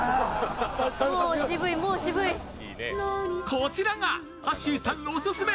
こちらがはっしーさんオススメ